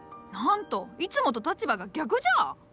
なんといつもと立場が逆じゃ！